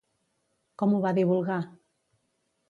Com ho va divulgar?